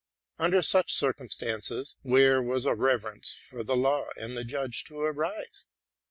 Under such circumstances, where was a reverence for the law and the judge to arise?